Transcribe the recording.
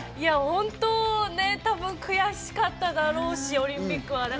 本当ね、悔しかっただろうし、オリンピックは。